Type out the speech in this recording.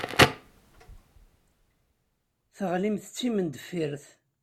Teɣlimt d timendeffirt.